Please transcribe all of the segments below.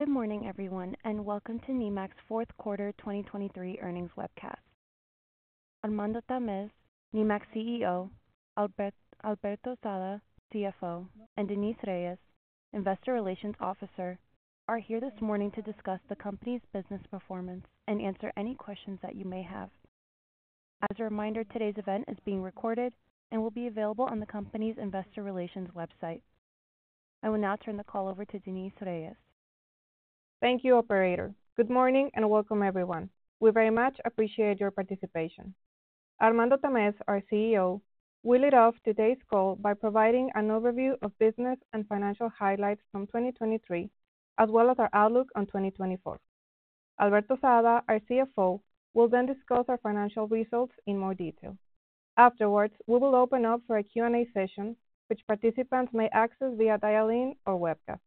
Good morning, everyone, and welcome to Nemak's fourth quarter 2023 earnings webcast. Armando Tamez, Nemak's CEO; Alberto Sada, CFO; and Denise Reyes, Investor Relations Officer, are here this morning to discuss the company's business performance and answer any questions that you may have. As a reminder, today's event is being recorded and will be available on the company's investor relations website. I will now turn the call over to Denise Reyes. Thank you, operator. Good morning, and welcome, everyone. We very much appreciate your participation. Armando Tamez, our CEO, will lead off today's call by providing an overview of business and financial highlights from 2023, as well as our outlook on 2024. Alberto Sada, our CFO, will then discuss our financial results in more detail. Afterwards, we will open up for a Q&A session, which participants may access via dial-in or webcast.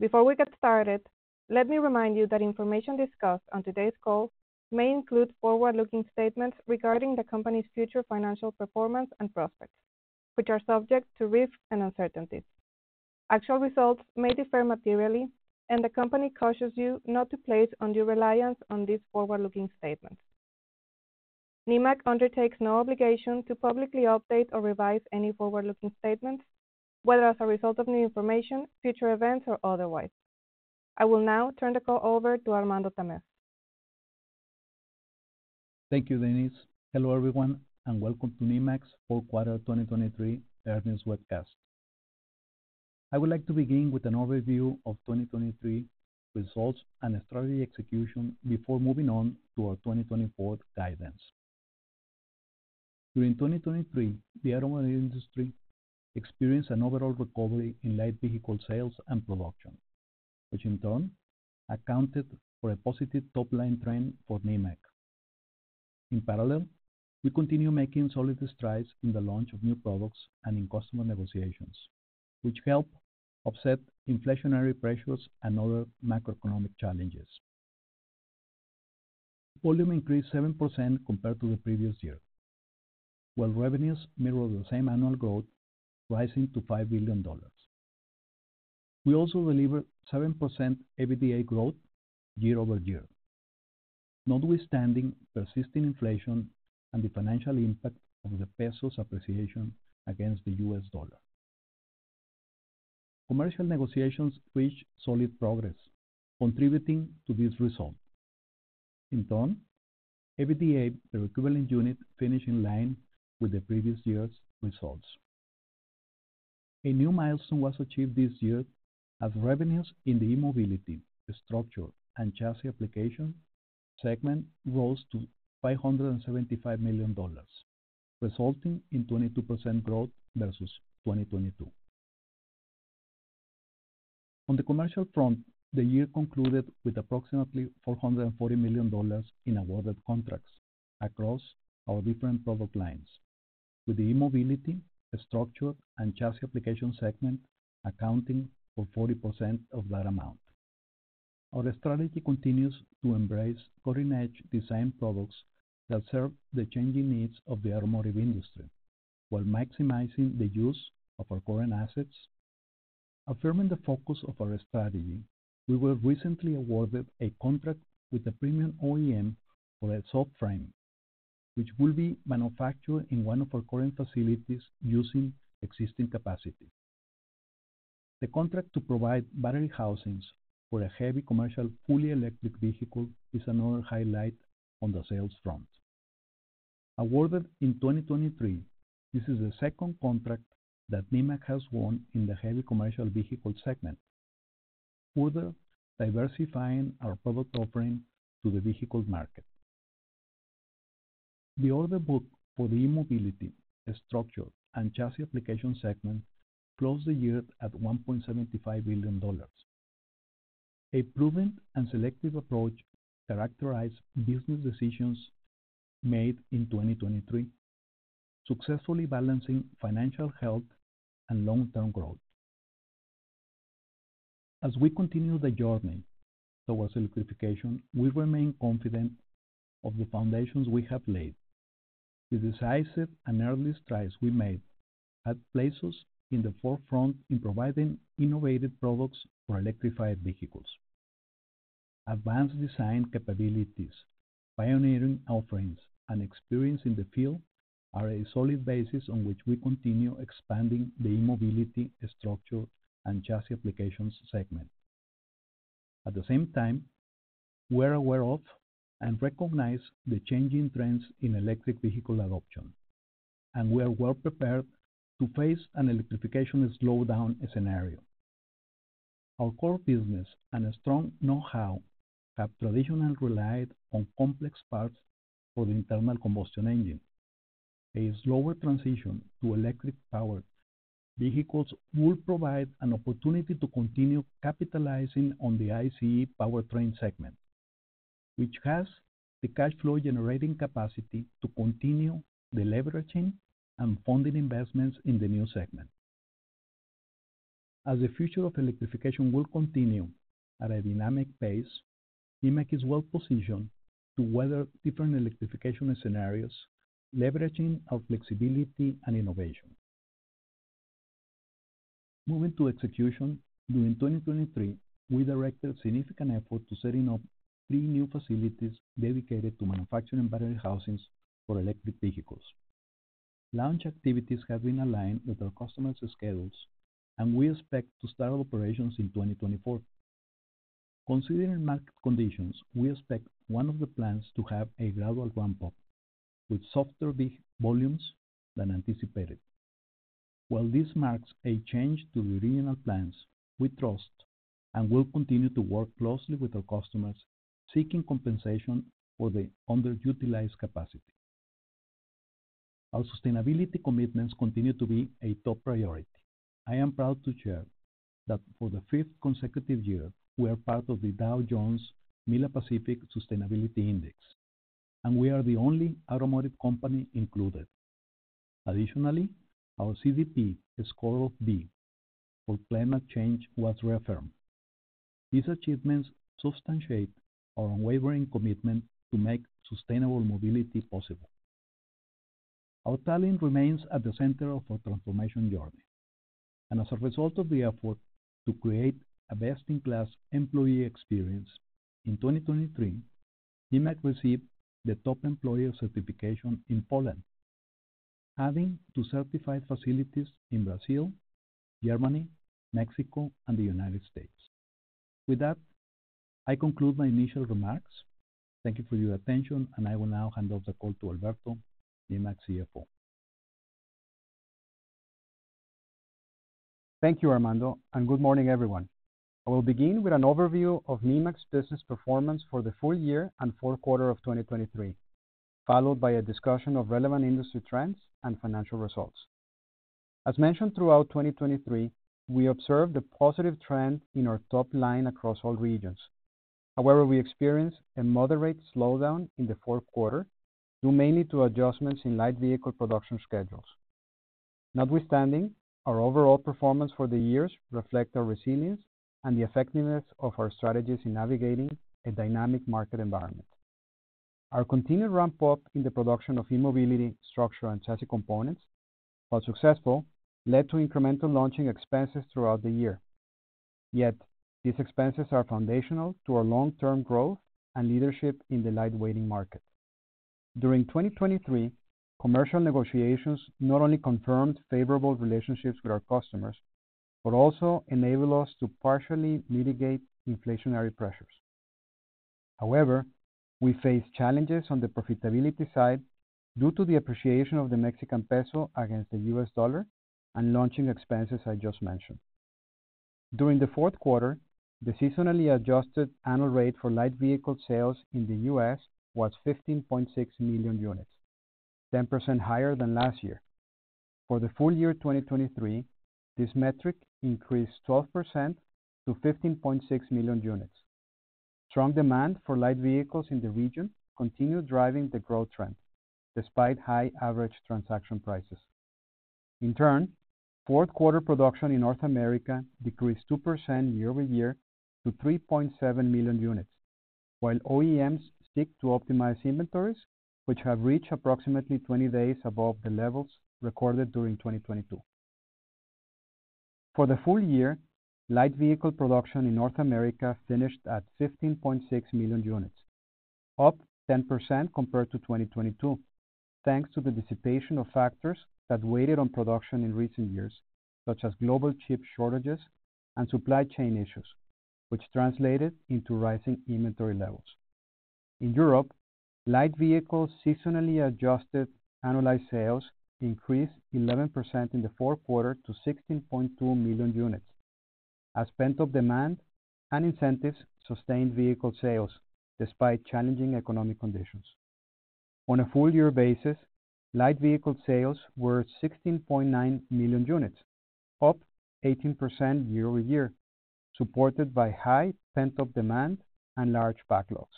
Before we get started, let me remind you that information discussed on today's call may include forward-looking statements regarding the company's future financial performance and prospects, which are subject to risks and uncertainties. Actual results may differ materially, and the company cautions you not to place undue reliance on these forward-looking statements. Nemak undertakes no obligation to publicly update or revise any forward-looking statements, whether as a result of new information, future events, or otherwise. I will now turn the call over to Armando Tamez. Thank you, Denise. Hello, everyone, and welcome to Nemak's fourth quarter 2023 earnings webcast. I would like to begin with an overview of 2023 results and strategy execution before moving on to our 2024 guidance. During 2023, the automotive industry experienced an overall recovery in light vehicle sales and production, which in turn accounted for a positive top-line trend for Nemak. In parallel, we continue making solid strides in the launch of new products and in customer negotiations, which help offset inflationary pressures and other macroeconomic challenges. Volume increased 7% compared to the previous year, while revenues mirrored the same annual growth, rising to $5 billion. We also delivered 7% EBITDA growth year-over-year, notwithstanding persisting inflation and the financial impact of the peso's appreciation against the US dollar. Commercial negotiations reached solid progress, contributing to this result. In turn, EBITDA per equivalent unit finished in line with the previous year's results. A new milestone was achieved this year as revenues in the E-Mobility, Structure and Chassis application segment rose to $575 million, resulting in 22% growth versus 2022. On the commercial front, the year concluded with approximately $440 million in awarded contracts across our different product lines, with the E-Mobility, Structure and Chassis application segment accounting for 40% of that amount. Our strategy continues to embrace cutting-edge design products that serve the changing needs of the automotive industry while maximizing the use of our current assets. Affirming the focus of our strategy, we were recently awarded a contract with a premium OEM for a subframe, which will be manufactured in one of our current facilities using existing capacity. The contract to provide battery housings for a heavy commercial, fully electric vehicle is another highlight on the sales front. Awarded in 2023, this is the second contract that Nemak has won in the heavy commercial vehicle segment, further diversifying our product offering to the vehicle market. The order book for the E-Mobility, Structure and Chassis application segment closed the year at $1.75 billion. A proven and selective approach characterized business decisions made in 2023, successfully balancing financial health and long-term growth. As we continue the journey towards electrification, we remain confident of the foundations we have laid. The decisive and early strides we made had placed us in the forefront in providing innovative products for electrified vehicles. Advanced design capabilities, pioneering offerings, and experience in the field are a solid basis on which we continue expanding the E-Mobility, Structure and Chassis applications segment. At the same time, we are aware of and recognize the changing trends in electric vehicle adoption, and we are well prepared to face an electrification slowdown scenario. Our core business and a strong know-how have traditionally relied on complex parts for the internal combustion engine. A slower transition to electric-powered vehicles will provide an opportunity to continue capitalizing on the ICE powertrain segment, which has the cash flow-generating capacity to continue the leveraging and funding investments in the new segment. As the future of electrification will continue at a dynamic pace, Nemak is well positioned to weather different electrification scenarios, leveraging our flexibility and innovation.... Moving to execution. During 2023, we directed a significant effort to setting up three new facilities dedicated to manufacturing battery housings for electric vehicles. Launch activities have been aligned with our customers' schedules, and we expect to start operations in 2024. Considering market conditions, we expect one of the plants to have a gradual ramp-up, with softer volumes than anticipated. While this marks a change to the original plans, we trust and will continue to work closely with our customers, seeking compensation for the underutilized capacity. Our sustainability commitments continue to be a top priority. I am proud to share that for the fifth consecutive year, we are part of the Dow Jones Sustainability MILA Pacific Alliance Index, and we are the only automotive company included. Additionally, our CDP score of B for climate change was reaffirmed. These achievements substantiate our unwavering commitment to make sustainable mobility possible. Our talent remains at the center of our transformation journey, and as a result of the effort to create a best-in-class employee experience, in 2023, Nemak received the Top Employer Certification in Poland, adding to certified facilities in Brazil, Germany, Mexico, and the United States. With that, I conclude my initial remarks. Thank you for your attention, and I will now hand off the call to Alberto, Nemak CFO. Thank you, Armando, and good morning, everyone. I will begin with an overview of Nemak's business performance for the full year and fourth quarter of 2023, followed by a discussion of relevant industry trends and financial results. As mentioned, throughout 2023, we observed a positive trend in our top line across all regions. However, we experienced a moderate slowdown in the fourth quarter, due mainly to adjustments in light vehicle production schedules. Notwithstanding, our overall performance for the years reflect our resilience and the effectiveness of our strategies in navigating a dynamic market environment. Our continued ramp-up in the production of E-Mobility, Structure and Chassis components, while successful, led to incremental launching expenses throughout the year. Yet these expenses are foundational to our long-term growth and leadership in the lightweighting market. During 2023, commercial negotiations not only confirmed favorable relationships with our customers, but also enabled us to partially mitigate inflationary pressures. However, we face challenges on the profitability side due to the appreciation of the Mexican peso against the US dollar and launching expenses I just mentioned. During the fourth quarter, the seasonally adjusted annual rate for light vehicle sales in the U.S. was 15.6 million units, 10% higher than last year. For the full year 2023, this metric increased 12% to 15.6 million units. Strong demand for light vehicles in the region continued driving the growth trend, despite high average transaction prices. In turn, fourth quarter production in North America decreased 2% year-over-year to 3.7 million units, while OEMs seek to optimize inventories, which have reached approximately 20 days above the levels recorded during 2022. For the full year, light vehicle production in North America finished at 15.6 million units, up 10% compared to 2022, thanks to the dissipation of factors that weighed on production in recent years, such as global chip shortages and supply chain issues, which translated into rising inventory levels. In Europe, light vehicles seasonally adjusted annualized sales increased 11% in the fourth quarter to 16.2 million units, as pent-up demand and incentives sustained vehicle sales despite challenging economic conditions. On a full year basis, light vehicle sales were 16.9 million units, up 18% year-over-year, supported by high pent-up demand and large backlogs.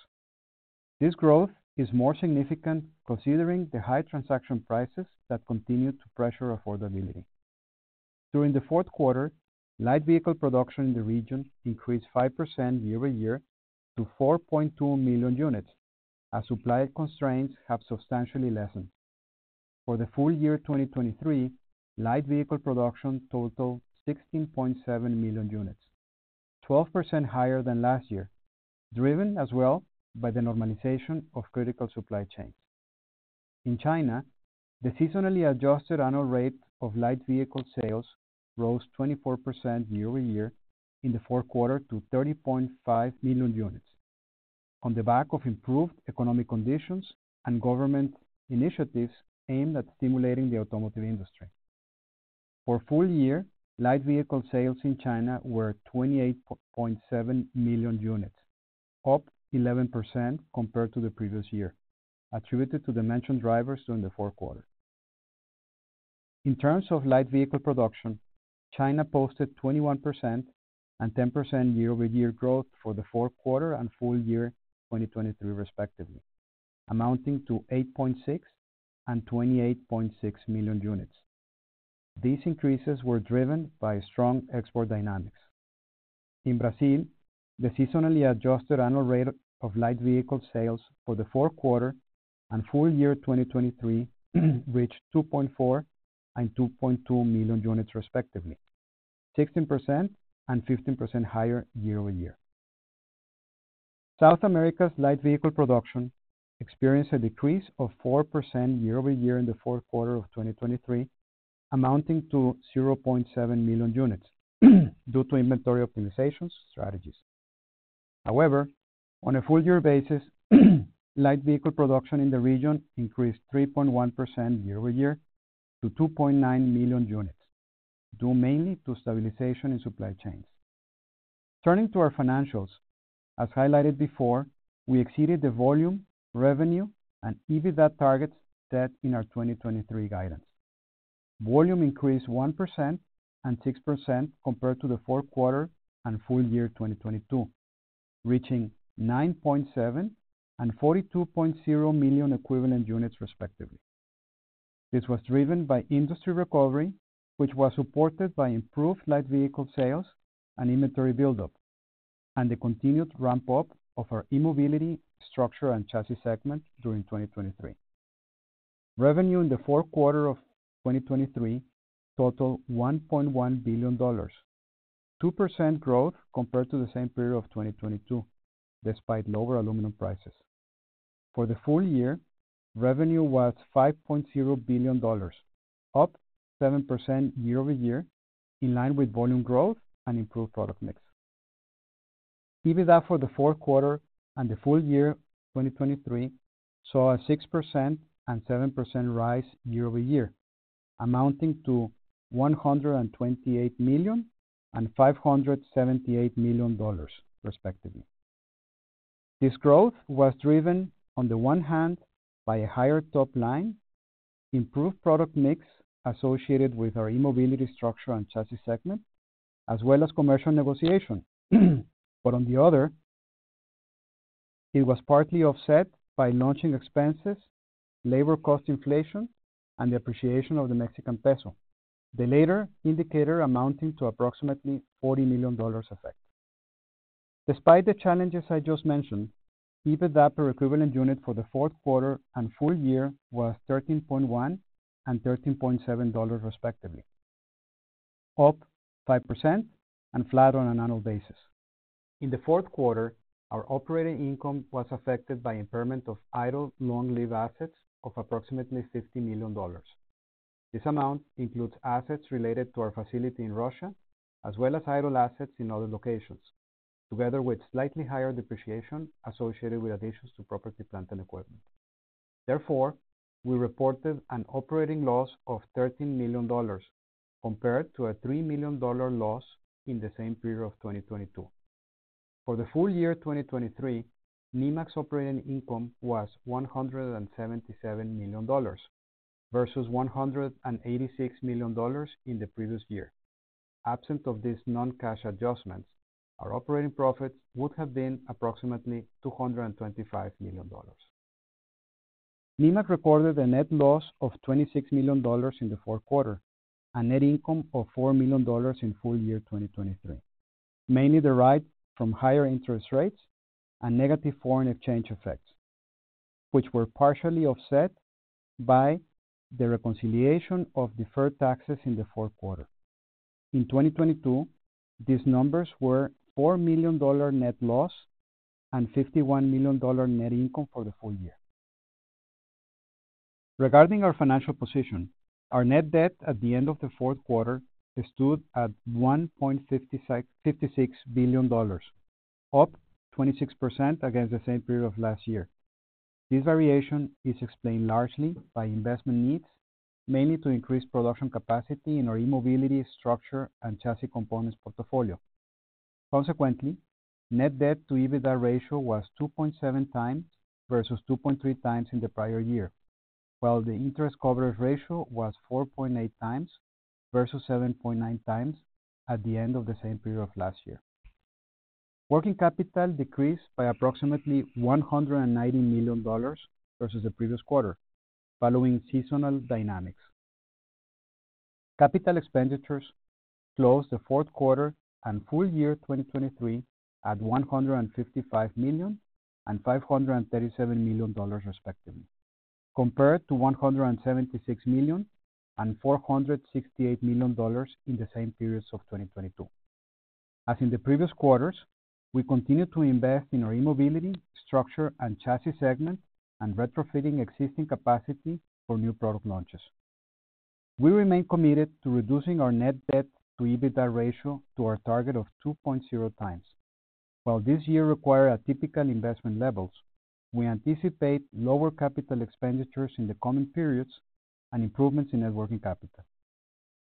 This growth is more significant considering the high transaction prices that continue to pressure affordability. During the fourth quarter, light vehicle production in the region increased 5% year-over-year to 4.2 million units, as supply constraints have substantially lessened. For the full year 2023, light vehicle production totaled 16.7 million units, 12% higher than last year, driven as well by the normalization of critical supply chains. In China, the seasonally adjusted annual rate of light vehicle sales rose 24% year-over-year in the fourth quarter to 30.5 million units, on the back of improved economic conditions and government initiatives aimed at stimulating the automotive industry. For full-year, light vehicle sales in China were 28.7 million units, up 11% compared to the previous year, attributed to the mentioned drivers during the fourth quarter. In terms of light vehicle production, China posted 21% and 10% year-over-year growth for the fourth quarter and full year 2023, respectively, amounting to 8.6 and 28.6 million units. These increases were driven by strong export dynamics. In Brazil, the seasonally adjusted annual rate of light vehicle sales for the fourth quarter and full year 2023 reached 2.4 and 2.2 million units respectively, 16% and 15% higher year-over-year. South America's light vehicle production experienced a decrease of 4% year-over-year in the fourth quarter of 2023, amounting to 0.7 million units, due to inventory optimization strategies. However, on a full year basis, light vehicle production in the region increased 3.1% year-over-year to 2.9 million units, due mainly to stabilization in supply chains. Turning to our financials, as highlighted before, we exceeded the volume, revenue, and EBITDA targets set in our 2023 guidance. Volume increased 1% and 6% compared to the fourth quarter and full year 2022, reaching 9.7 and 42.0 million equivalent units, respectively. This was driven by industry recovery, which was supported by improved light vehicle sales and inventory buildup, and the continued ramp-up of our E-Mobility, Structure and Chassis segment during 2023. Revenue in the fourth quarter of 2023 totaled $1.1 billion, 2% growth compared to the same period of 2022, despite lower aluminum prices. For the full year, revenue was $5.0 billion, up 7% year-over-year, in line with volume growth and improved product mix. EBITDA for the fourth quarter and the full year 2023 saw a 6% and 7% rise year-over-year, amounting to $128 million and $578 million, respectively. This growth was driven, on the one hand, by a higher top line, improved product mix associated with our E-Mobility, Structure and Chassis segment, as well as commercial negotiation. But on the other, it was partly offset by launching expenses, labor cost inflation, and the appreciation of the Mexican peso. The latter indicator amounting to approximately $40 million dollars effect. Despite the challenges I just mentioned, EBITDA per equivalent unit for the fourth quarter and full year was $13.1 and $13.7, respectively, up 5% and flat on an annual basis. In the fourth quarter, our operating income was affected by impairment of idle long-lived assets of approximately $50 million. This amount includes assets related to our facility in Russia, as well as idle assets in other locations, together with slightly higher depreciation associated with additions to property, plant, and equipment. Therefore, we reported an operating loss of $13 million compared to a $3 million loss in the same period of 2022. For the full year 2023, Nemak's operating income was $177 million, versus $186 million in the previous year. Absent of these non-cash adjustments, our operating profits would have been approximately $225 million. Nemak recorded a net loss of $26 million in the fourth quarter, and net income of $4 million in full year 2023, mainly derived from higher interest rates and negative foreign exchange effects, which were partially offset by the reconciliation of deferred taxes in the fourth quarter. In 2022, these numbers were $4 million net loss and $51 million net income for the full year. Regarding our financial position, our net debt at the end of the fourth quarter stood at $1.56 billion, up 26% against the same period of last year. This variation is explained largely by investment needs, mainly to increase production capacity in our E-Mobility, Structure and Chassis components portfolio. Consequently, net debt to EBITDA ratio was 2.7 times versus 2.3 times in the prior year, while the interest coverage ratio was 4.8 times versus 7.9 times at the end of the same period of last year. Working capital decreased by approximately $190 million versus the previous quarter, following seasonal dynamics. Capital expenditures closed the fourth quarter and full year 2023 at $155 million and $537 million, respectively, compared to $176 million and $468 million in the same periods of 2022. As in the previous quarters, we continued to invest in our E-Mobility, Structure and Chassis segment, and retrofitting existing capacity for new product launches. We remain committed to reducing our net debt to EBITDA ratio to our target of 2.0 times. While this year required atypical investment levels, we anticipate lower capital expenditures in the coming periods and improvements in net working capital.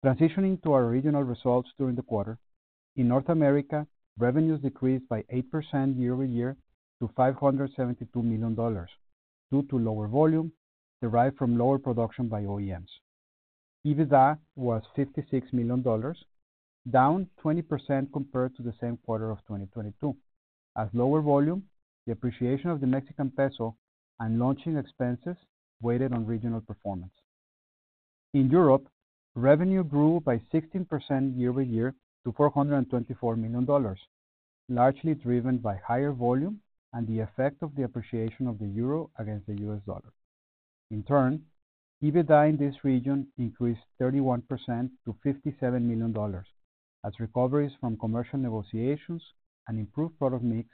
Transitioning to our regional results during the quarter: In North America, revenues decreased by 8% year-over-year to $572 million, due to lower volume derived from lower production by OEMs. EBITDA was $56 million, down 20% compared to the same quarter of 2022, as lower volume, the appreciation of the Mexican peso, and launching expenses weighed on regional performance. In Europe, revenue grew by 16% year-over-year to $424 million, largely driven by higher volume and the effect of the appreciation of the euro against the U.S. dollar. In turn, EBITDA in this region increased 31% to $57 million, as recoveries from commercial negotiations and improved product mix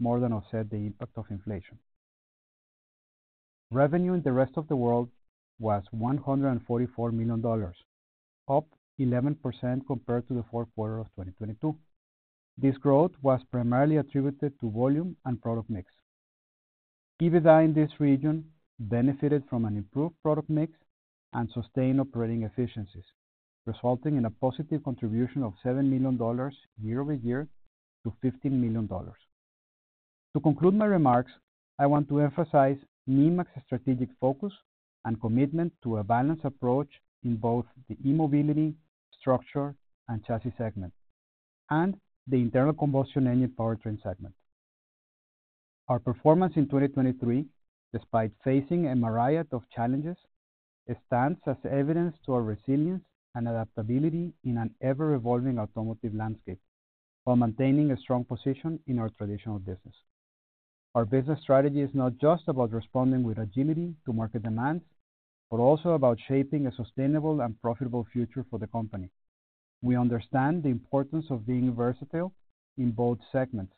more than offset the impact of inflation. Revenue in the rest of the world was $144 million, up 11% compared to the fourth quarter of 2022. This growth was primarily attributed to volume and product mix. EBITDA in this region benefited from an improved product mix and sustained operating efficiencies, resulting in a positive contribution of $7 million year-over-year to $15 million. To conclude my remarks, I want to emphasize Nemak's strategic focus and commitment to a balanced approach in both the E-Mobility, Structure and Chassis segment, and the internal combustion engine powertrain segment. Our performance in 2023, despite facing a myriad of challenges, it stands as evidence to our resilience and adaptability in an ever-evolving automotive landscape, while maintaining a strong position in our traditional business. Our business strategy is not just about responding with agility to market demands, but also about shaping a sustainable and profitable future for the company. We understand the importance of being versatile in both segments,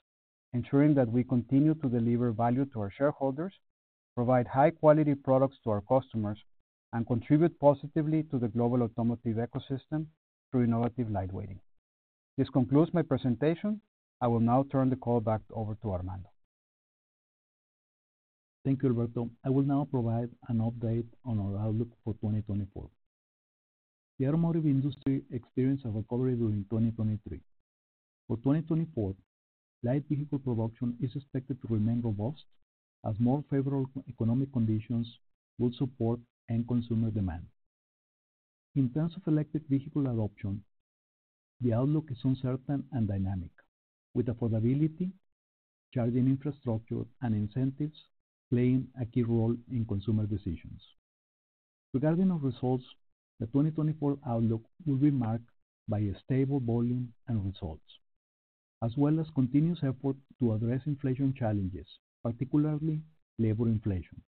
ensuring that we continue to deliver value to our shareholders, provide high-quality products to our customers, and contribute positively to the global automotive ecosystem through innovative lightweighting. This concludes my presentation. I will now turn the call back over to Armando. Thank you, Alberto. I will now provide an update on our outlook for 2024. The automotive industry experienced a recovery during 2023. For 2024, light vehicle production is expected to remain robust as more favorable economic conditions will support end consumer demand. In terms of electric vehicle adoption, the outlook is uncertain and dynamic, with affordability, charging infrastructure, and incentives playing a key role in consumer decisions. Regarding our results, the 2024 outlook will be marked by a stable volume and results, as well as continuous effort to address inflation challenges, particularly labor inflation.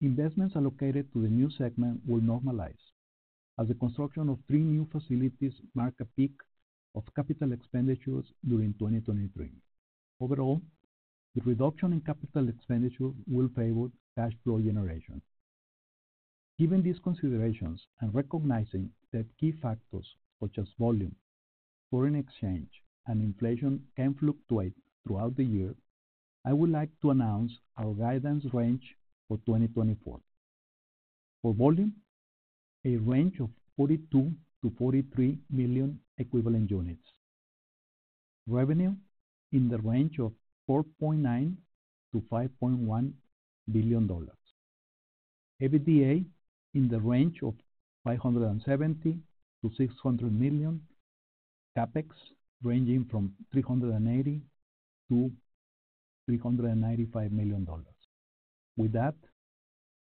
Investments allocated to the new segment will normalize as the construction of three new facilities mark a peak of capital expenditures during 2023. Overall, the reduction in capital expenditure will favor cash flow generation. Given these considerations, and recognizing that key factors such as volume, foreign exchange, and inflation can fluctuate throughout the year, I would like to announce our guidance range for 2024. For volume, a range of 42-43 million equivalent units. Revenue, in the range of $4.9 billion-$5.1 billion. EBITDA, in the range of $570 million-$600 million. CapEx, ranging from $380 million-$395 million. With that,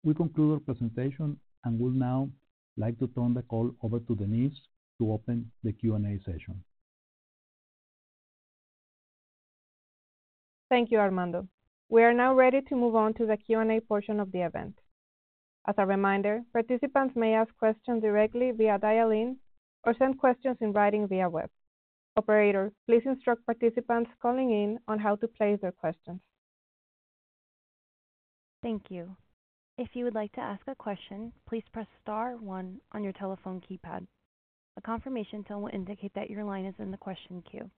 we conclude our presentation and would now like to turn the call over to Denise to open the Q&A session. Thank you, Armando. We are now ready to move on to the Q&A portion of the event. As a reminder, participants may ask questions directly via dial-in or send questions in writing via web. Operator, please instruct participants calling in on how to place their questions. Thank you. If you would like to ask a question, please press star one on your telephone keypad. A confirmation tone will indicate that your line is in the question queue,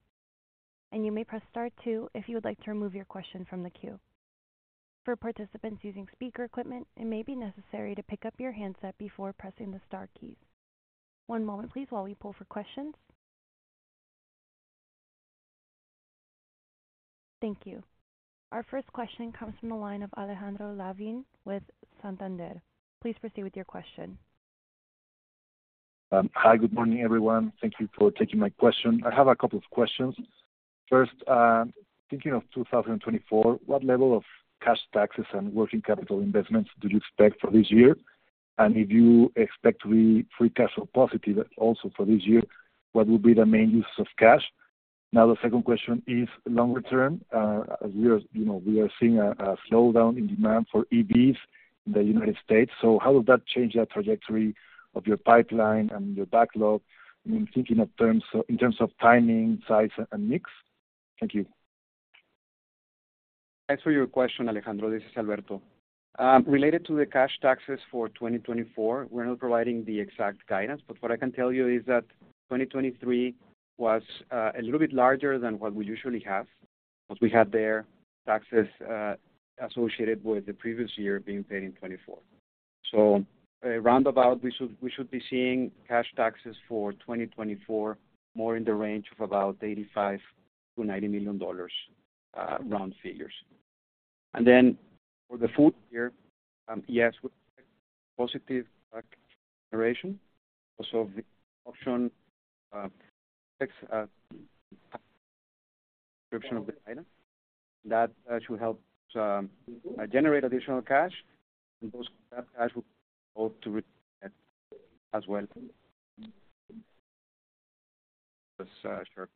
and you may press star two if you would like to remove your question from the queue. For participants using speaker equipment, it may be necessary to pick up your handset before pressing the star keys. One moment, please, while we poll for questions. Thank you. Our first question comes from the line of Alejandro Lavín with Santander. Please proceed with your question. Hi, good morning, everyone. Thank you for taking my question. I have a couple of questions. First, thinking of 2024, what level of cash taxes and working capital investments do you expect for this year? And if you expect to be free cash flow positive also for this year, what will be the main uses of cash? Now, the second question is longer term. As we are, you know, we are seeing a slowdown in demand for EVs in the United States. So how does that change the trajectory of your pipeline and your backlog in thinking of terms, in terms of timing, size, and mix? Thank you. Thanks for your question, Alejandro. This is Alberto. Related to the cash taxes for 2024, we're not providing the exact guidance, but what I can tell you is that 2023 was a little bit larger than what we usually have, because we had there taxes associated with the previous year being paid in 2024. So around about, we should, we should be seeing cash taxes for 2024, more in the range of about $85 million-$90 million, round figures. And then for the fourth year, yes, we expect positive generation, also the option.... description of the item. That should help generate additional cash, and those-- that cash will go to as well. Sure.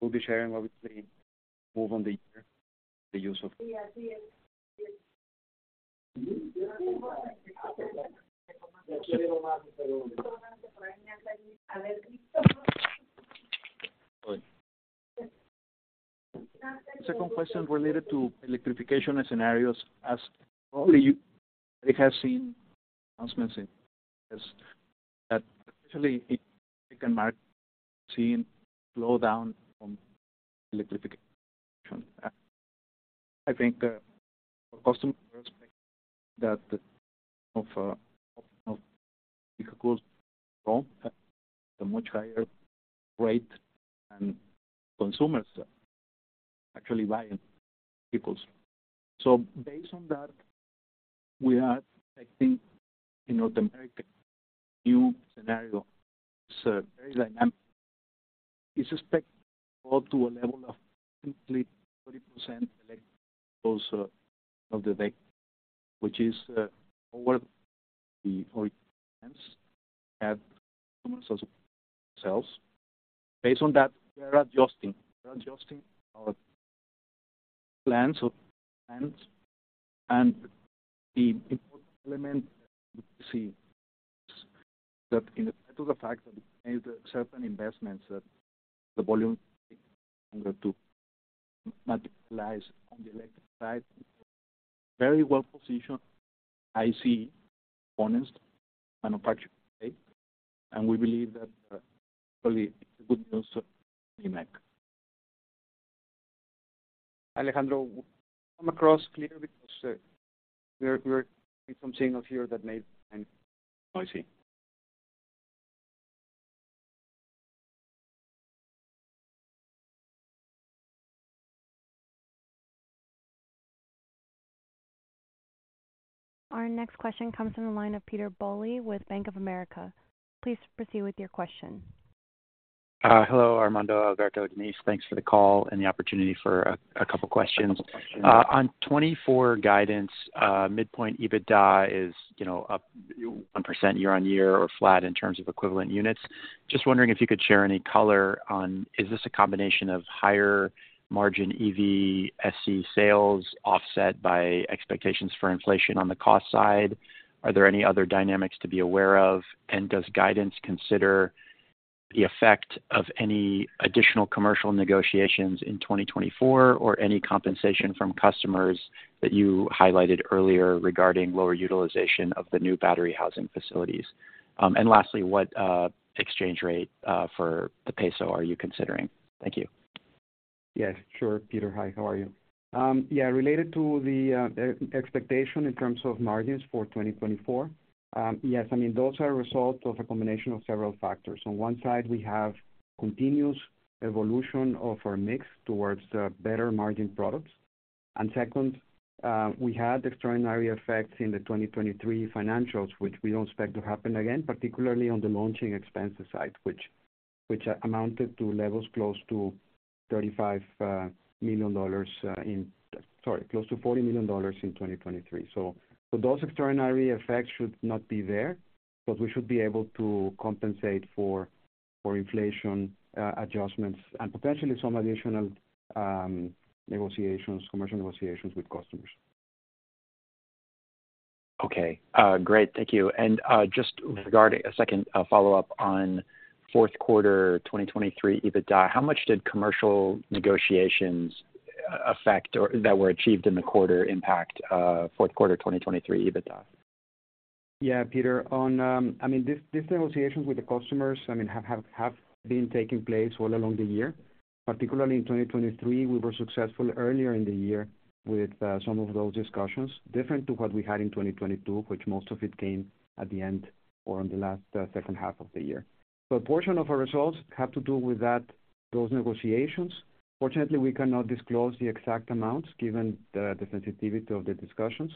We'll be sharing, obviously, more on the year, the use of. Second question related to electrification and scenarios. As probably you've seen, there have been announcements on this that actually mark a slowdown in electrification. I think from a customer perspective, the production of vehicles grows at a much higher rate than consumers actually buying vehicles. So based on that, we are expecting in North America a new scenario. It's very dynamic. We expect it to go to a level of completely 40% electric today, which is over the expectations of customer sales. Based on that, we are adjusting, we are adjusting our plans or plans, and the important element we see is that in addition to the fact that we made certain investments, that the volume to materialize on the electric side, very well positioned. I see components manufactured today, and we believe that actually it's good news to remake. Alejandro, come across clear, because we're some signals here that may be noisy. Our next question comes from the line of Peter Bowley with Bank of America. Please proceed with your question. Hello, Armando, Alberto, Denise, thanks for the call and the opportunity for a couple questions. On 2024 guidance, midpoint, EBITDA is, you know, up 1% year-on-year or flat in terms of equivalent units. Just wondering if you could share any color on, is this a combination of higher margin EV SC sales offset by expectations for inflation on the cost side? Are there any other dynamics to be aware of? And does guidance consider the effect of any additional commercial negotiations in 2024, or any compensation from customers that you highlighted earlier regarding lower utilization of the new battery housing facilities? And lastly, what exchange rate for the peso are you considering? Thank you. Yes, sure. Peter, hi, how are you? Yeah, related to the expectation in terms of margins for 2024, yes, I mean, those are a result of a combination of several factors. On one side, we have continuous evolution of our mix towards the better margin products. And second, we had extraordinary effects in the 2023 financials, which we don't expect to happen again, particularly on the launching expenses side, which amounted to levels close to $35 million... Sorry, close to $40 million in 2023. So, those extraordinary effects should not be there, but we should be able to compensate for inflation adjustments and potentially some additional negotiations, commercial negotiations with customers. Okay, great. Thank you. And, just regarding a second follow-up on fourth quarter 2023 EBITDA, how much did commercial negotiations affect or that were achieved in the quarter impact fourth quarter 2023 EBITDA? Yeah, Peter, on, I mean, this negotiations with the customers, I mean, have been taking place all along the year. Particularly in 2023, we were successful earlier in the year with some of those discussions, different to what we had in 2022, which most of it came at the end or in the last second half of the year. So a portion of our results have to do with that, those negotiations. Fortunately, we cannot disclose the exact amounts given the sensitivity of the discussions,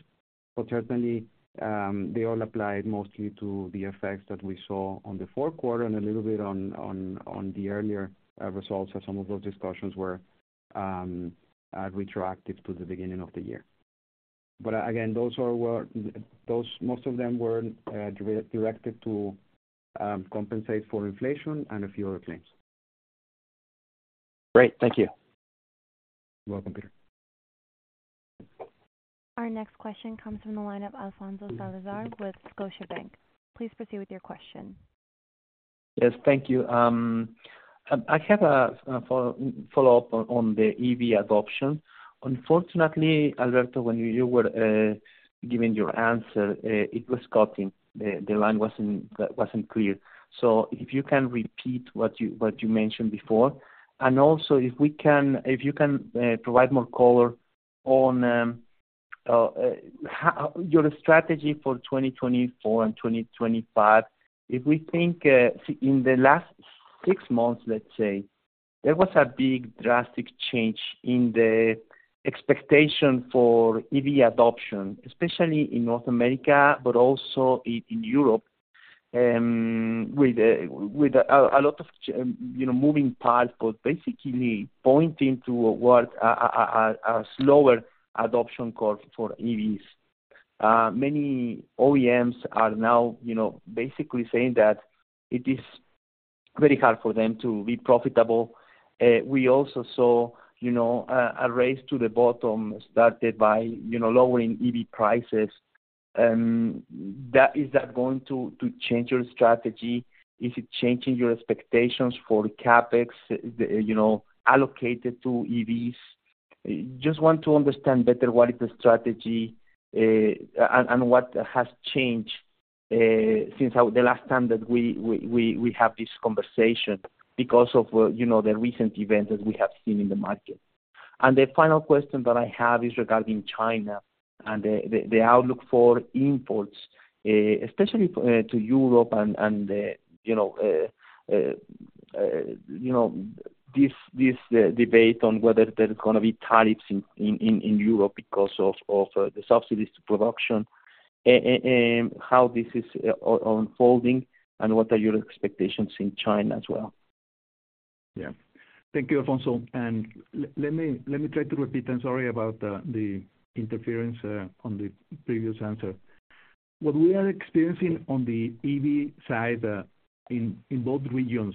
but certainly, they all applied mostly to the effects that we saw on the fourth quarter and a little bit on the earlier results, as some of those discussions were retroactive to the beginning of the year. But again, those, most of them were directed to compensate for inflation and a few other claims. Great, thank you. You're welcome, Peter. Our next question comes from the line of Alfonso Salazar with Scotiabank. Please proceed with your question. Yes, thank you. I have a follow-up on the EV adoption. Unfortunately, Alberto, when you were giving your answer, it was cutting, the line wasn't clear. So if you can repeat what you mentioned before, and also if you can provide more color on how your strategy for 2024 and 2025. If we think in the last six months, let's say, there was a big drastic change in the expectation for EV adoption, especially in North America, but also in Europe.... with a lot of you know, moving parts, but basically pointing to a slower adoption curve for EVs. Many OEMs are now, you know, basically saying that it is very hard for them to be profitable. We also saw, you know, a race to the bottom started by, you know, lowering EV prices. Is that going to change your strategy? Is it changing your expectations for CapEx, you know, allocated to EVs? Just want to understand better what is the strategy, and what has changed since the last time that we have this conversation because of, you know, the recent events as we have seen in the market. The final question that I have is regarding China and the outlook for imports, especially to Europe and, you know, this debate on whether there are gonna be tariffs in Europe because of the subsidies to production, and how this is unfolding, and what are your expectations in China as well? Yeah. Thank you, Alfonso. And let me try to repeat, and sorry about the interference on the previous answer. What we are experiencing on the EV side in both regions,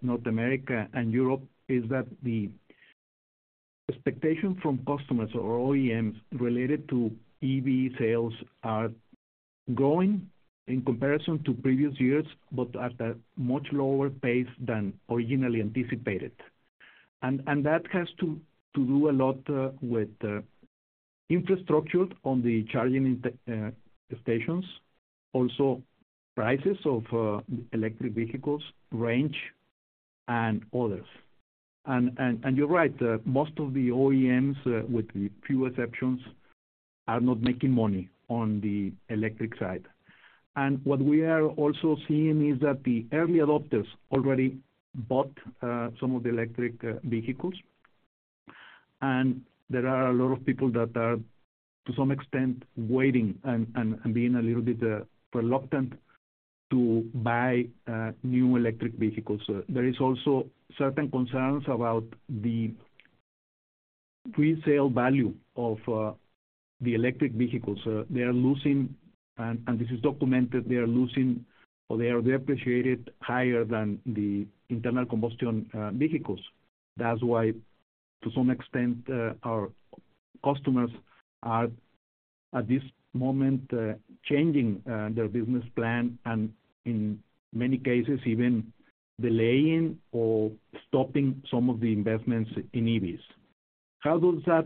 North America and Europe, is that the expectation from customers or OEMs related to EV sales are growing in comparison to previous years, but at a much lower pace than originally anticipated. And that has to do a lot with infrastructure on the charging stations, also prices of electric vehicles, range, and others. And you're right, most of the OEMs, with the few exceptions, are not making money on the electric side. What we are also seeing is that the early adopters already bought some of the electric vehicles, and there are a lot of people that are, to some extent, waiting and being a little bit reluctant to buy new electric vehicles. There is also certain concerns about the resale value of the electric vehicles. They are losing, and this is documented, they are losing, or they are depreciated higher than the internal combustion vehicles. That's why, to some extent, our customers are, at this moment, changing their business plan and in many cases even delaying or stopping some of the investments in EVs. How does that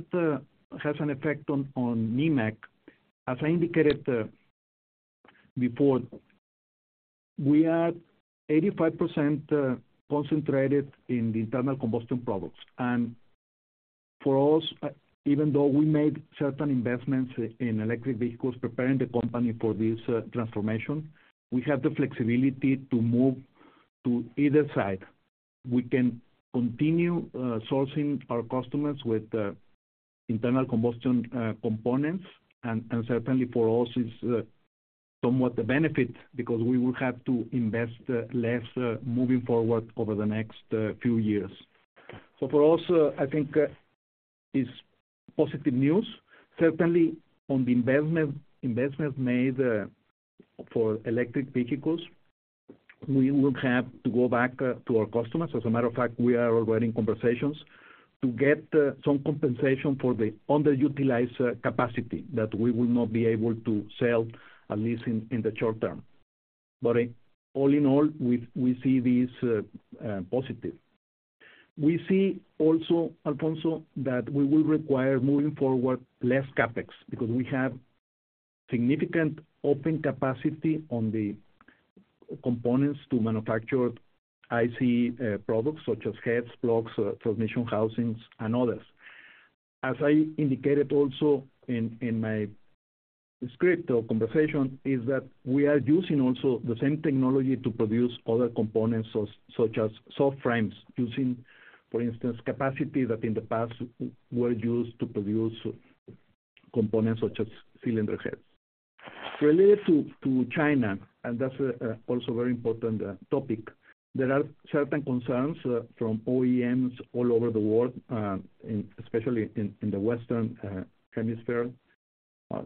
has an effect on Nemak? As I indicated before, we are 85% concentrated in the internal combustion products. For us, even though we made certain investments in electric vehicles, preparing the company for this transformation, we have the flexibility to move to either side. We can continue sourcing our customers with internal combustion components, and certainly for us it's somewhat a benefit because we will have to invest less moving forward over the next few years. So for us, I think it's positive news. Certainly, on the investment investment made for electric vehicles, we will have to go back to our customers. As a matter of fact, we are already in conversations to get some compensation for the underutilized capacity that we will not be able to sell, at least in the short term. But all in all, we see this positive. We see also, Alfonso, that we will require, moving forward, less CapEx, because we have significant open capacity on the components to manufacture ICE products, such as heads, blocks, transmission housings, and others. As I indicated also in my script or conversation, is that we are using also the same technology to produce other components, such as subframes, using, for instance, capacity that in the past were used to produce components such as cylinder heads. Related to China, and that's also very important topic, there are certain concerns from OEMs all over the world, especially in the Western Hemisphere.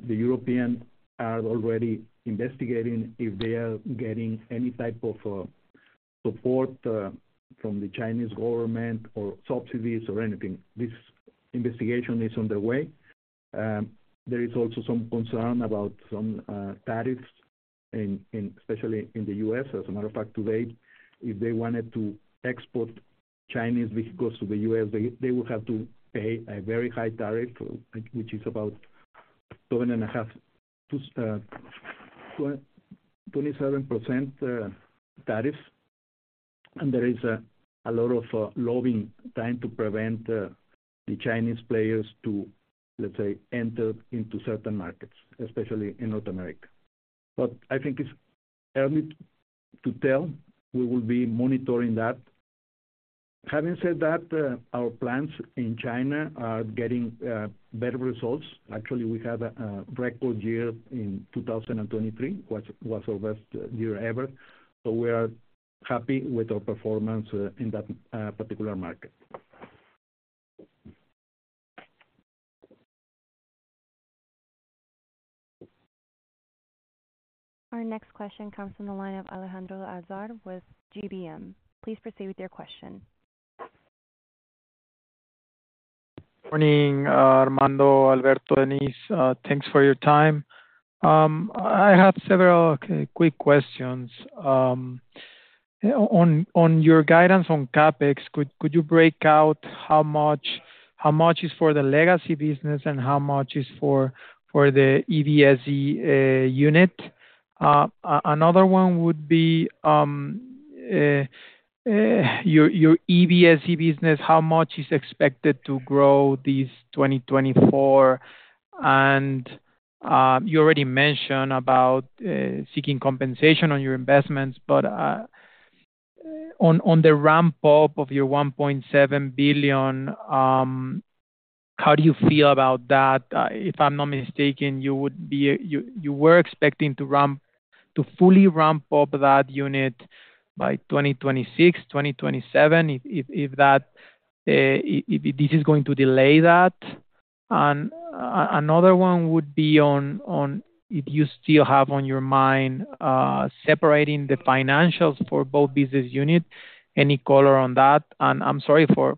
The Europeans are already investigating if they are getting any type of support from the Chinese government or subsidies or anything. This investigation is underway. There is also some concern about some tariffs in, especially in the U.S. As a matter of fact, today, if they wanted to export Chinese vehicles to the U.S., they would have to pay a very high tariff, which is about 27% tariffs. And there is a lot of lobbying trying to prevent the Chinese players to, let's say, enter into certain markets, especially in North America. But I think it's early to tell. We will be monitoring that. Having said that, our plants in China are getting better results. Actually, we had a record year in 2023, which was our best year ever, so we are happy with our performance in that particular market. Our next question comes from the line of Alejandro Azar with GBM. Please proceed with your question. Morning, Armando, Alberto, Denise, thanks for your time. I have several quick questions. On your guidance on CapEx, could you break out how much is for the legacy business and how much is for the EVSE unit? Another one would be your EVSE business, how much is expected to grow this 2024? And you already mentioned about seeking compensation on your investments, but on the ramp-up of your $1.7 billion, how do you feel about that? If I'm not mistaken, you would be—you were expecting to ramp, to fully ramp up that unit by 2026, 2027. If this is going to delay that? Another one would be on if you still have on your mind separating the financials for both business unit. Any color on that? And I'm sorry for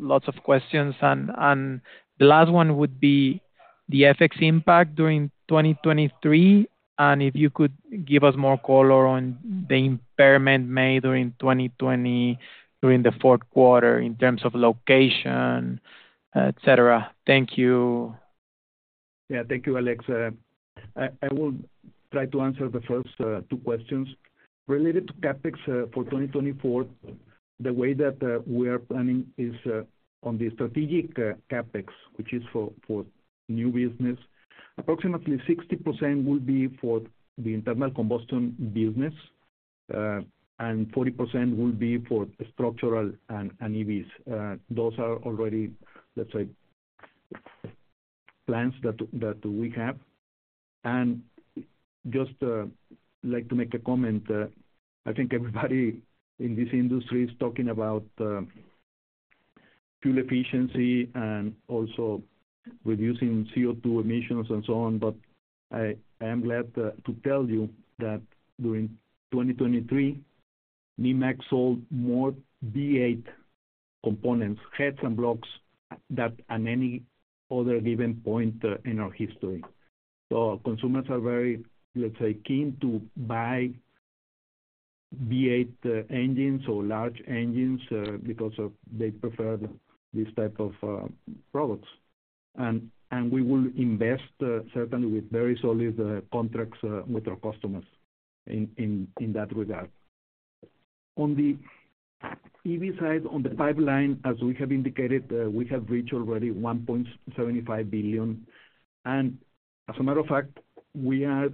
lots of questions. And the last one would be the FX impact during 2023, and if you could give us more color on the impairment made during 2020, during the fourth quarter in terms of location, et cetera. Thank you. Yeah. Thank you, Alex. I will try to answer the first two questions. Related to CapEx, for 2024, the way that we are planning is on the strategic CapEx, which is for new business. Approximately 60% will be for the internal combustion business, and 40% will be for structural and EVs. Those are already, let's say, plans that we have. And just like to make a comment. I think everybody in this industry is talking about fuel efficiency and also reducing CO2 emissions and so on, but I am glad to tell you that during 2023, Nemak sold more V8 components, heads and blocks, than at any other given point in our history. So consumers are very, let's say, keen to buy V8 engines or large engines, because of they prefer these type of products. And we will invest certainly with very solid contracts with our customers in that regard. On the EV side, on the pipeline, as we have indicated, we have reached already $1.75 billion. And as a matter of fact, we are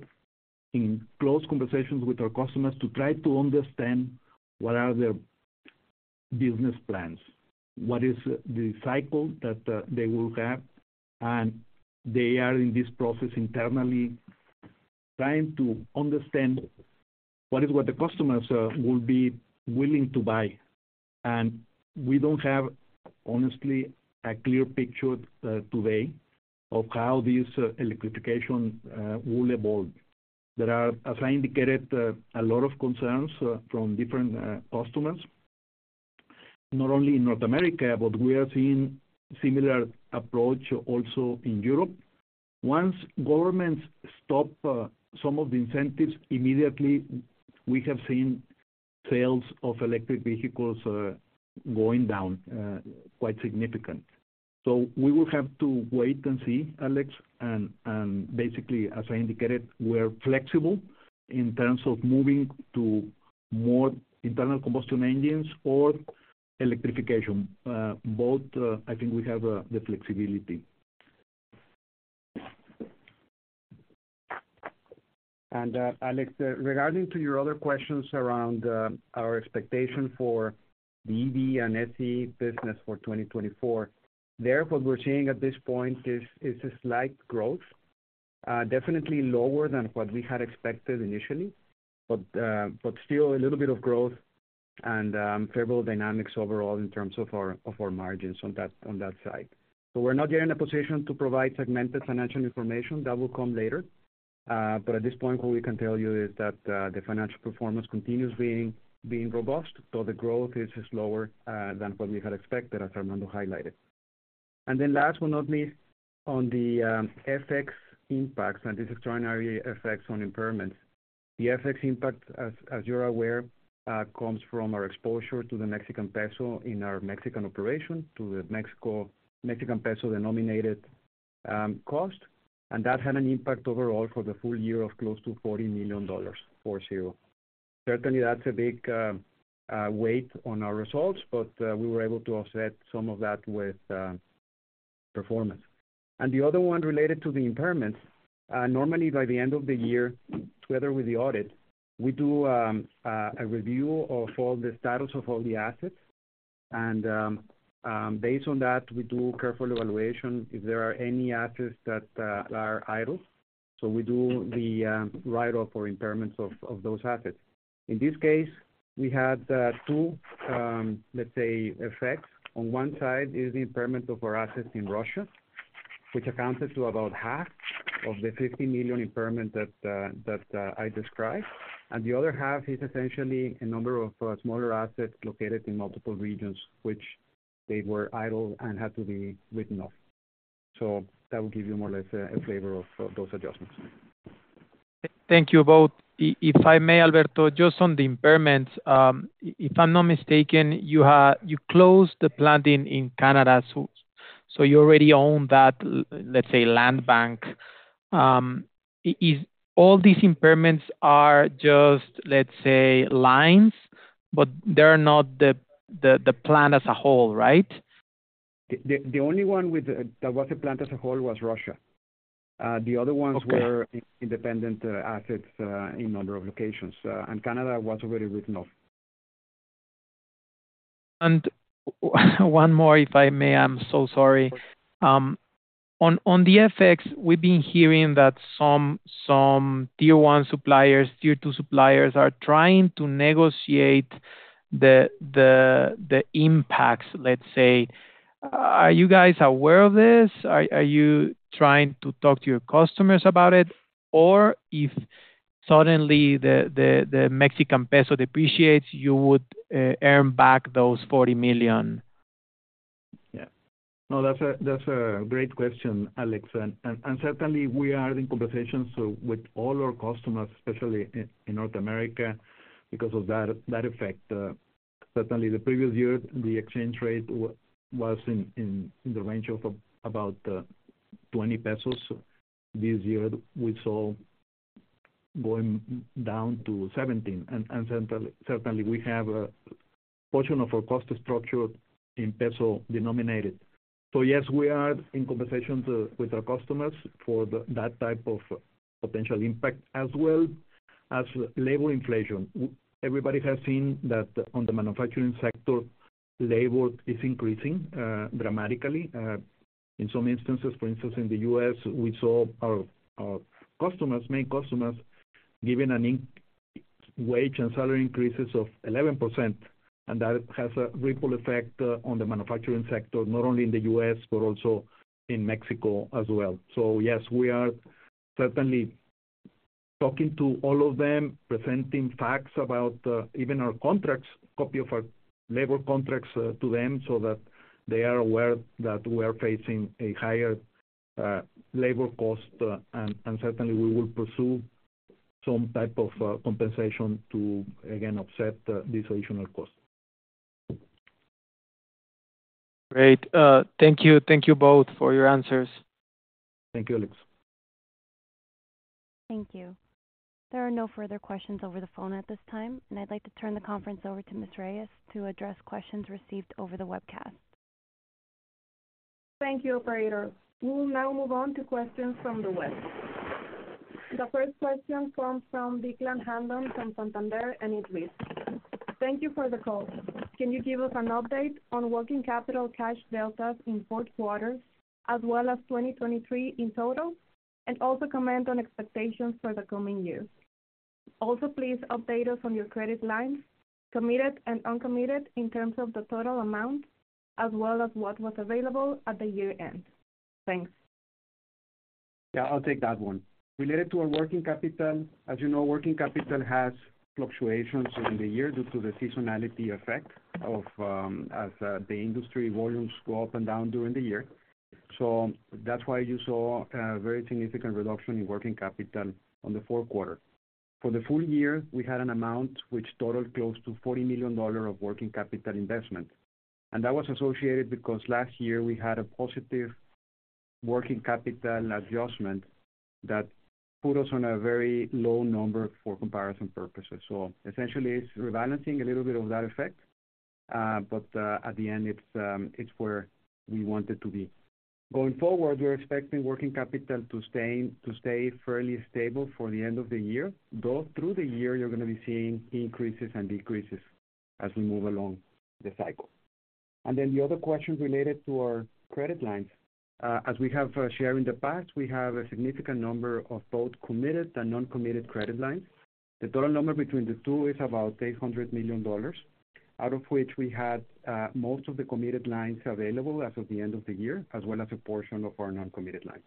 in close conversations with our customers to try to understand what are their business plans, what is the cycle that they will have, and they are in this process internally, trying to understand what is what the customers will be willing to buy. And we don't have, honestly, a clear picture today of how this electrification will evolve. There are, as I indicated, a lot of concerns from different, customers, not only in North America, but we are seeing similar approach also in Europe. Once governments stop, some of the incentives, immediately, we have seen sales of electric vehicles, going down, quite significant. So we will have to wait and see, Alex. And, and basically, as I indicated, we're flexible in terms of moving to more internal combustion engines or electrification. Both, I think we have, the flexibility. Alex, regarding your other questions around our expectation for the EV and SE business for 2024, what we're seeing at this point is a slight growth, definitely lower than what we had expected initially, but still a little bit of growth and favorable dynamics overall in terms of our margins on that side. So we're not yet in a position to provide segmented financial information. That will come later. But at this point, what we can tell you is that the financial performance continues being robust, though the growth is lower than what we had expected, as Armando highlighted. And then last but not least, on the FX impacts and the extraordinary effects on impairments. The FX impact, as you're aware, comes from our exposure to the Mexican peso in our Mexican operation, to the Mexican peso, the nominal cost, and that had an impact overall for the full year of close to $40 million for us. Certainly, that's a big weight on our results, but we were able to offset some of that with performance. The other one related to the impairments, normally by the end of the year, together with the audit, we do a review of all the status of all the assets. And based on that, we do careful evaluation if there are any assets that are idle. So we do the write-off or impairments of those assets. In this case, we had two, let's say, effects. On one side is the impairment of our assets in Russia, which accounted to about half of the $50 million impairment that I described. The other half is essentially a number of smaller assets located in multiple regions, which they were idle and had to be written off. That will give you more or less a flavor of those adjustments. Thank you both. If I may, Alberto, just on the impairments, if I'm not mistaken, you had-- you closed the plant in Canada, so you already own that, let's say, land bank. Is all these impairments just, let's say, lines, but they're not the plant as a whole, right? The only one with the that was a plant as a whole was Russia. The other ones- Okay. were independent assets in a number of locations, and Canada was already written off. And one more, if I may. I'm so sorry. On the FX, we've been hearing that some Tier 1 suppliers, Tier 2 suppliers, are trying to negotiate the impacts, let's say. Are you guys aware of this? Are you trying to talk to your customers about it? Or if suddenly the Mexican peso depreciates, you would earn back those $40 million? Yeah. No, that's a great question, Alex. Certainly we are in conversations with all our customers, especially in North America, because of that effect. Certainly the previous year, the exchange rate was in the range of about 20 pesos. This year, we saw going down to 17, and certainly we have a portion of our cost structure in peso denominated. So yes, we are in conversations with our customers for that type of potential impact, as well as labor inflation. Everybody has seen that on the manufacturing sector, labor is increasing dramatically in some instances. For instance, in the U.S., we saw our, our customers, main customers, giving wage and salary increases of 11%, and that has a ripple effect on the manufacturing sector, not only in the U.S., but also in Mexico as well. So yes, we are certainly talking to all of them, presenting facts about even our contracts, copy of our labor contracts to them, so that they are aware that we're facing a higher labor cost. And certainly we will pursue some type of compensation to again offset these additional costs. Great. Thank you. Thank you both for your answers. Thank you, Alex. Thank you. There are no further questions over the phone at this time, and I'd like to turn the conference over to Ms. Reyes to address questions received over the webcast. Thank you, operator. We will now move on to questions from the west. The first question comes from Declan Hanlon, from Santander, and it's recent. Thank you for the call. Can you give us an update on working capital cash deltas in fourth quarter, as well as 2023 in total, and also comment on expectations for the coming year? Also, please update us on your credit lines, committed and uncommitted, in terms of the total amount, as well as what was available at the year-end. Thanks. Yeah, I'll take that one. Related to our working capital, as you know, working capital has fluctuations during the year due to the seasonality effect of the industry volumes go up and down during the year. So that's why you saw a very significant reduction in working capital on the fourth quarter. For the full year, we had an amount which totaled close to $40 million of working capital investment, and that was associated because last year we had a positive working capital adjustment that put us on a very low number for comparison purposes. So essentially, it's rebalancing a little bit of that effect, but at the end, it's where we want it to be. Going forward, we're expecting working capital to stay fairly stable for the end of the year, though through the year, you're going to be seeing increases and decreases as we move along the cycle. And then the other question related to our credit lines. As we have shared in the past, we have a significant number of both committed and non-committed credit lines. The total number between the two is about $800 million, out of which we had most of the committed lines available as of the end of the year, as well as a portion of our non-committed lines.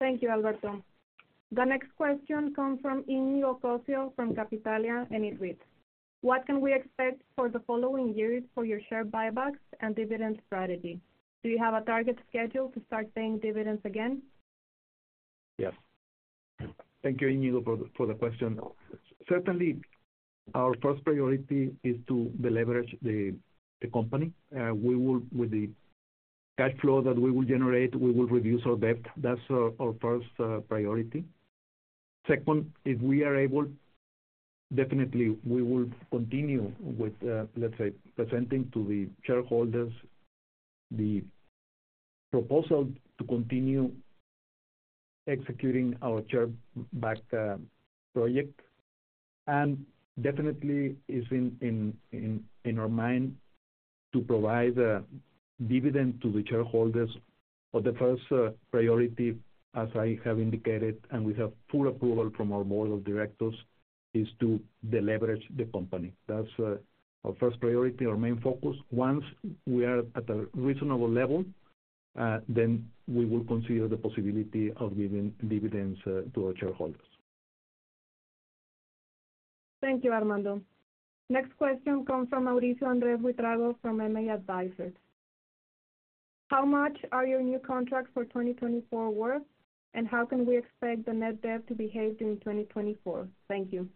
Thank you, Alberto. The next question comes from Iñigo Pocio, from Miralta, and it reads: What can we expect for the following years for your share buybacks and dividend strategy? Do you have a target schedule to start paying dividends again? Yes. Thank you, Inigo, for the question. Certainly, our first priority is to deleverage the company. We will, with the cash flow that we will generate, reduce our debt. That's our first priority. Second one, if we are able, definitely we will continue with, let's say, presenting to the shareholders the proposal to continue executing our share buyback project. And definitely is in our mind to provide a dividend to the shareholders. But the first priority, as I have indicated, and we have full approval from our board of directors, is to deleverage the company. That's our first priority, our main focus. Once we are at a reasonable level, then we will consider the possibility of giving dividends to our shareholders. Thank you, Armando. Next question comes from Mauricio Andres Buitrago from MA Advisors. How much are your new contracts for 2024 worth, and how can we expect the net debt to behave during 2024? Thank you.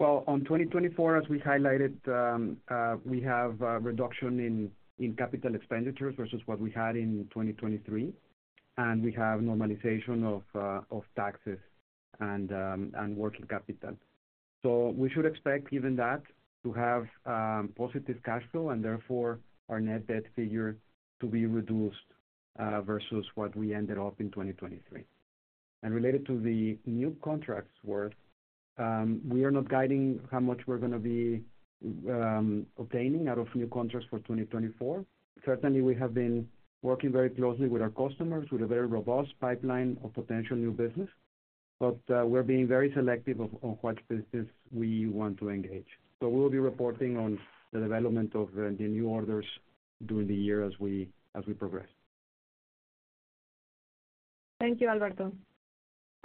Well, on 2024, as we highlighted, we have a reduction in, in capital expenditures versus what we had in 2023, and we have normalization of, of taxes and, and working capital. So we should expect, given that, to have positive cash flow and therefore our net debt figure to be reduced versus what we ended up in 2023. And related to the new contracts worth, we are not guiding how much we're going to be obtaining out of new contracts for 2024. Certainly, we have been working very closely with our customers, with a very robust pipeline of potential new business, but, we're being very selective of, on what business we want to engage. So we will be reporting on the development of the, the new orders during the year as we, as we progress. Thank you, Alberto.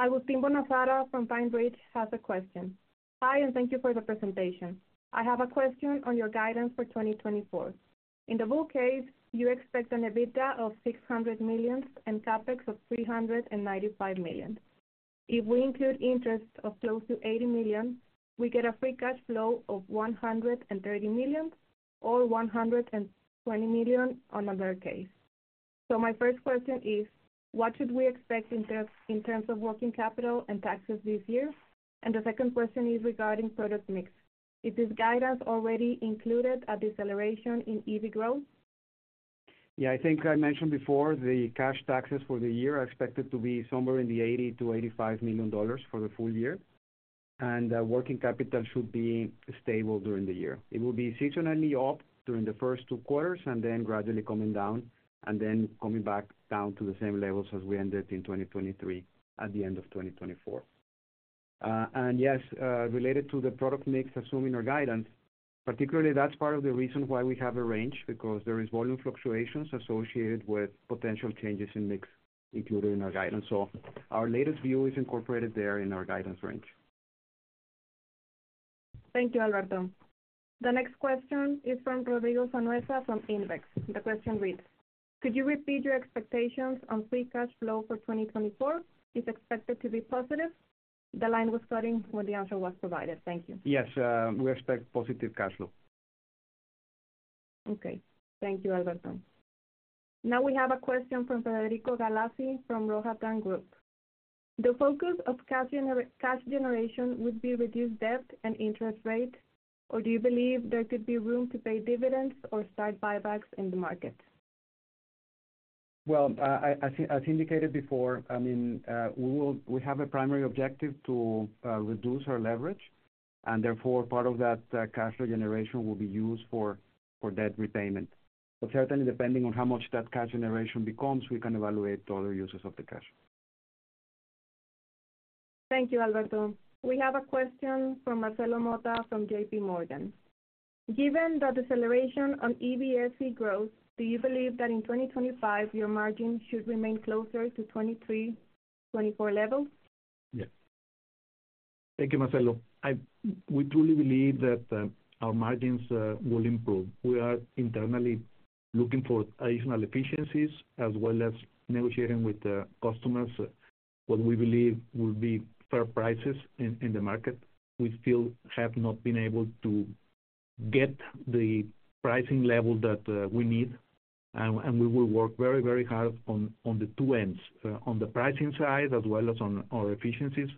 Agustin Bonasara from PineBridge has a question. Hi, and thank you for the presentation. I have a question on your guidance for 2024. In the bull case, you expect an EBITDA of $600 million and CapEx of $395 million. If we include interest of close to $80 million, we get a free cash flow of $130 million or $120 million on a bear case. So my first question is: What should we expect in terms of working capital and taxes this year? And the second question is regarding product mix. Is this guidance already included a deceleration in EV growth? Yeah, I think I mentioned before, the cash taxes for the year are expected to be somewhere in the $80 million-$85 million for the full year, and, working capital should be stable during the year. It will be seasonally up during the first two quarters, and then gradually coming down, and then coming back down to the same levels as we ended in 2023, at the end of 2024. And yes, related to the product mix, assuming our guidance, particularly, that's part of the reason why we have a range, because there is volume fluctuations associated with potential changes in mix included in our guidance. So our latest view is incorporated there in our guidance range. Thank you, Alberto. The next question is from Rodrigo Sanhueza from Invex. The question reads: Could you repeat your expectations on free cash flow for 2024? It's expected to be positive? The line was cutting when the answer was provided. Thank you. Yes, we expect positive cash flow. Okay. Thank you, Alberto. Now we have a question from Federico Galassi from Rohatyn Group. The focus of cash generation would be reduced debt and interest rate, or do you believe there could be room to pay dividends or start buybacks in the market? Well, as indicated before, I mean, we have a primary objective to reduce our leverage, and therefore, part of that cash flow generation will be used for debt repayment. But certainly, depending on how much that cash generation becomes, we can evaluate other uses of the cash. Thank you, Alberto. We have a question from Marcelo Motta from J.P. Morgan. Given the deceleration on EV growth, do you believe that in 2025, your margin should remain closer to 23-24 levels? Yes. Thank you, Marcelo. We truly believe that our margins will improve. We are internally looking for additional efficiencies, as well as negotiating with the customers what we believe will be fair prices in the market. We still have not been able to get the pricing level that we need, and we will work very, very hard on the two ends, on the pricing side, as well as on our efficiencies.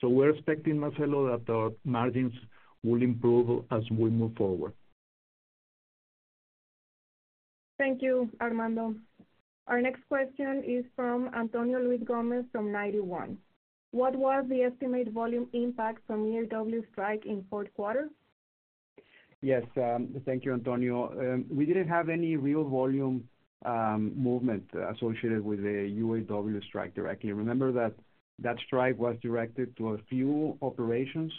So we're expecting, Marcelo, that our margins will improve as we move forward. Thank you, Armando. Our next question is from Antonio Luiz Gomes from Ninety One. What was the estimated volume impact from UAW strike in fourth quarter? Yes, thank you, Antonio. We didn't have any real volume movement associated with the UAW strike directly. Remember that that strike was directed to a few operations,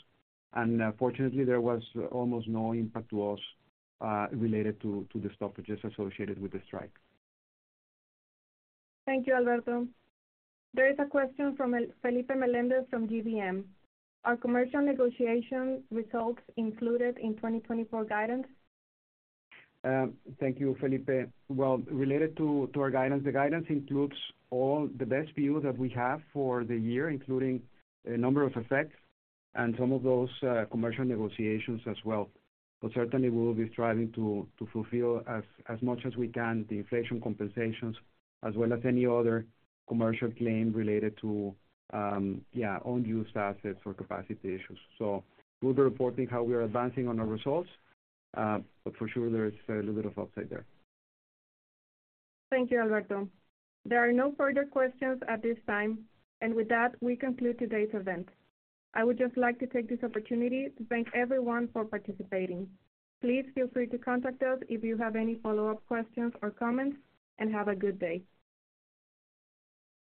and fortunately, there was almost no impact to us related to the stoppages associated with the strike. Thank you, Alberto. There is a question from Felipe Melendez from GBM. Are commercial negotiation results included in 2024 guidance? Thank you, Felipe. Well, related to our guidance, the guidance includes all the best views that we have for the year, including a number of effects and some of those, commercial negotiations as well. But certainly, we will be striving to fulfill as much as we can, the inflation compensations, as well as any other commercial claim related to, unused assets or capacity issues. So we'll be reporting how we are advancing on our results, but for sure, there is a little bit of upside there. Thank you, Alberto. There are no further questions at this time. With that, we conclude today's event. I would just like to take this opportunity to thank everyone for participating. Please feel free to contact us if you have any follow-up questions or comments, and have a good day.